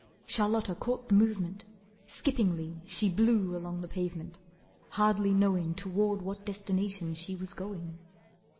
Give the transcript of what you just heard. Charlotta caught the movement, skippingly She blew along the pavement, hardly knowing Toward what destination she was going.